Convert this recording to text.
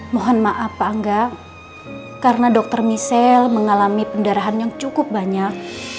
mohon maaf pak angga karena dokter michelle mengalami pendarahan yang cukup banyak